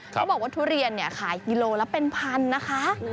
เขาบอกว่าทุเรียนขายกิโลละเป็นพันนะคะ